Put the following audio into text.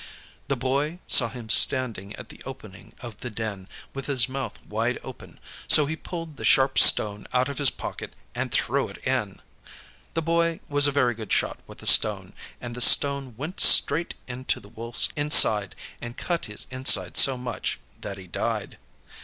The Boy saw him standing at the opening of the den, with his mouth wide open, so he pulled the sharp stone out of his pocket, and threw it in. This Boy was a very good shot with a stone, and the stone went straight into the Wolf's inside, and cut his inside so much that he died.